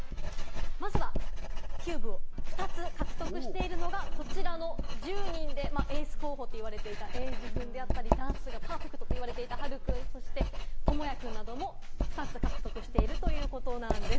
まずはキューブを２つ獲得しているのが、こちらの１０人、エース候補と言われていたエイジくんであったり、ダンスがパーフェクトと言われていたハルくん、トモヤくんなども２つ獲得しているということなんです。